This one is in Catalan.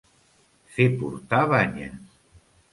Fer portar banyes.